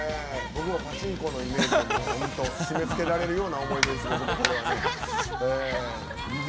僕もパチンコのイメージで締めつけられるような思い出ですね。